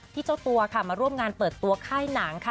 เจ้าตัวค่ะมาร่วมงานเปิดตัวค่ายหนังค่ะ